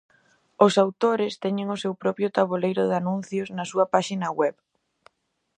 Os autores teñen o seu propio taboleiro de anuncios na súa páxina web.